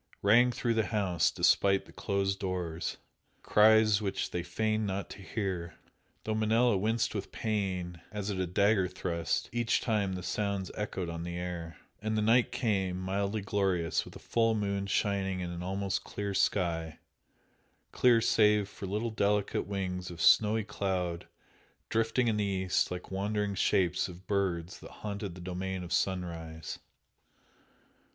rang through the house despite the closed doors, cries which they feigned not to hear, though Manella winced with pain, as at a dagger thrust, each time the sounds echoed on the air. And the night came, mildly glorious, with a full moon shining in an almost clear sky clear save for little delicate wings of snowy cloud drifting in the east like wandering shapes of birds that haunted the domain of sunrise.